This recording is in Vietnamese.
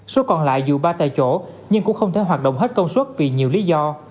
số còn lại dù ba tại chỗ nhưng cũng không thể hoạt động hết công suất vì nhiều lý do